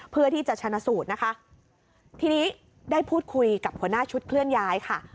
เพื่อที่จะชนะสูตรนะคะทีนี้ได้พูดคุยกับหัวหน้าชุดเคลื่อนย้ายค่ะ